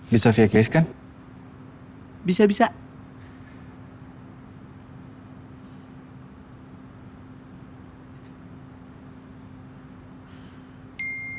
pelan pelan dia jugaending